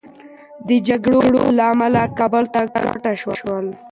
د جګړو له امله کابل ته کډه شول.